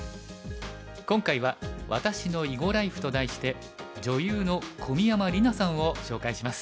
今回は「私の囲碁ライフ」と題して女優の小宮山莉渚さんを紹介します。